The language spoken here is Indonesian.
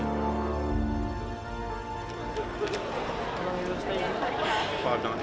tapi pedofil yang menangkapnya